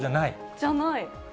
じゃない？